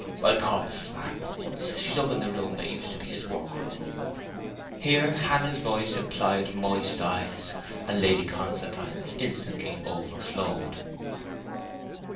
I'll call Mrs. Martin at once. She is up in the room that used to be his work room.' Here Hannah's voice implied moist eyes, and Lady Constantine's instantly overflowed.